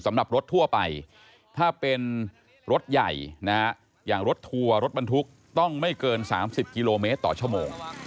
สำหรับรถทั่วไปถ้าเป็นรถใหญ่นะฮะอย่างรถทัวร์รถบรรทุกต้องไม่เกิน๓๐กิโลเมตรต่อชั่วโมง